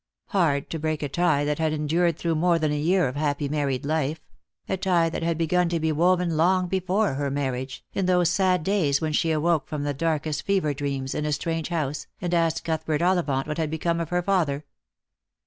Hard to break a tie that had endured through more than a year of happy married life — a tie that had begun to be woven long before her marriage, in those sad days when she awoke from darkest fever dreams, in a strange house, and asked Cuthbert Ollivant what had become of her father.